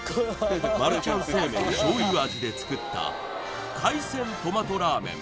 マルちゃん正麺醤油味で作った海鮮トマトラーメン